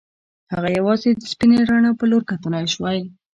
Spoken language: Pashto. هغه یوازې د سپینې رڼا په لور کتلای شوای